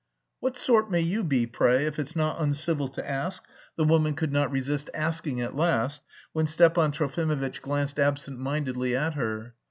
"What sort may you be, pray, if it's not uncivil to ask?" the woman could not resist asking at last when Stepan Trofimovitch glanced absent mindedly at her.